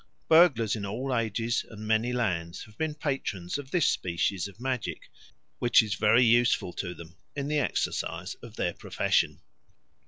Burglars in all ages and many lands have been patrons of this species of magic, which is very useful to them in the exercise of their profession.